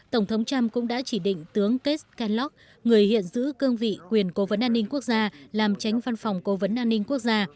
tổng thống trump cũng đã chỉ định tướng kes canlock người hiện giữ cương vị quyền cố vấn an ninh quốc gia làm tránh văn phòng cố vấn an ninh quốc gia